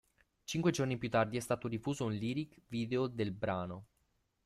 Cinque giorni più tardi è stato diffuso un lyric video del brano.